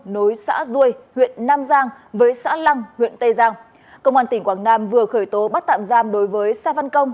nối xã ruôi huyện nam giang với xã lăng huyện tây giang công an tỉnh quảng nam vừa khởi tố bắt tạm giam đối với sa văn công